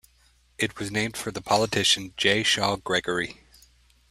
It was named for the politician J. Shaw Gregory.